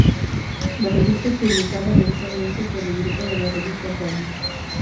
La revista es publicada mensualmente por el grupo de la revista Trends.